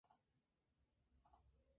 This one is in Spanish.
Ejerce como juez en Tondo durante cinco años.